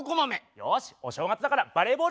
よしお正月だからバレーボールするぞ！